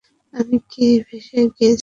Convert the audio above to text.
আমি কি ভেসে গিয়েছিলাম?